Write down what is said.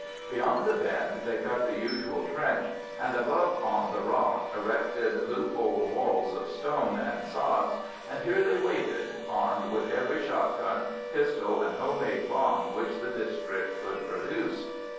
Beyond the bend they cut the usual trench, and above on the rock erected loop holed walls of stone and sods, and here they waited, armed with every shot gun, pistol, and home made bomb which the district could produce.